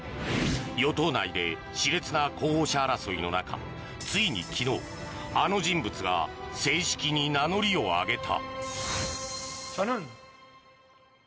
与党内で熾烈な候補者争いの中ついに昨日、あの人物が正式に名乗りを上げた。